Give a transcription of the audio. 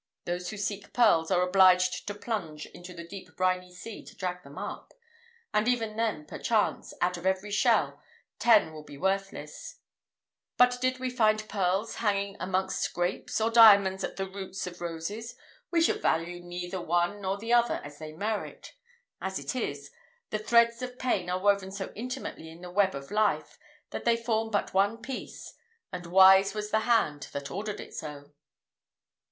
Those who seek pearls are obliged to plunge into the deep briny sea to drag them up, and even then perchance, out of every shell, ten will be worthless; but did we find pearls hanging amongst grapes, or diamonds at the roots of roses, we should value neither one nor the other as they merit. As it is, the threads of pain are woven so intimately in the web of life, that they form but one piece; and wise was the hand that ordered it so."